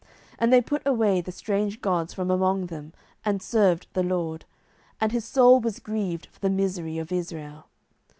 07:010:016 And they put away the strange gods from among them, and served the LORD: and his soul was grieved for the misery of Israel.